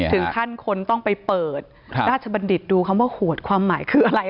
ถึงท่านคนต้องไปเปิดดูคำว่าหวดความหมายคืออะไร